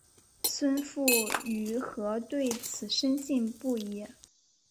孙傅与何对此深信不疑。